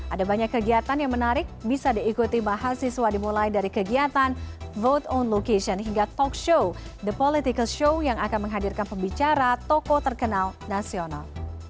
ada banyak kegiatan yang menarik bisa diikuti mahasiswa dimulai dari kegiatan vote on location hingga talk show the political show yang akan menghadirkan pembicara toko terkenal nasional